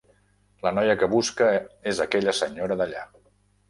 La noia que busca és aquella senyora d'allà.